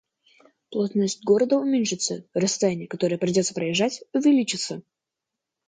Плотность города уменьшится, расстояния, которые придётся проезжать увеличатся